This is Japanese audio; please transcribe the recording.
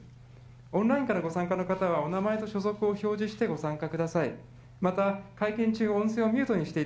オンラインからご参加の方は、お名前と所属を表示して、ご参加ください。